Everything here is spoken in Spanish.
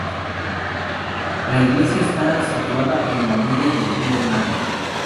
La iglesia está situada en la orilla del río Nahe.